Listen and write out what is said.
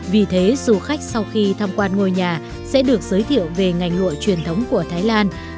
vì thế du khách sau khi tham quan ngôi nhà sẽ được giới thiệu về ngành lụa truyền thống của thái lan